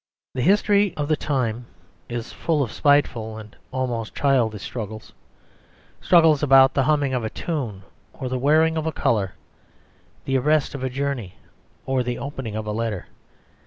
The history of the time is full of spiteful and almost childish struggles struggles about the humming of a tune or the wearing of a colour, the arrest of a journey, or the opening of a letter.